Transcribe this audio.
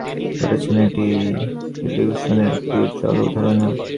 তিনি অভ্রান্ত যুক্তিতে প্রমাণ করেছেন, এটি ইলিউশনের একটি উজ্জ্বল উদাহরণ।